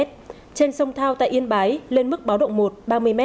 trên sông thao tại yên bái lên mức báo động một ba mươi m